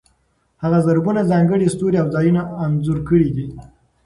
هغه زرګونه ځانګړي ستوري او ځایونه انځور کړي دي.